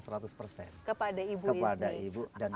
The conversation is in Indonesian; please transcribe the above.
kepada ibu dan kegiatan